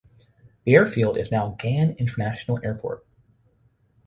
The airfield is now Gan International Airport.